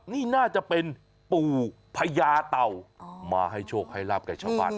นี่น่าจะเป็นปู่พญาเต่ามาให้โชคให้ลาบแก่ชาวบ้าน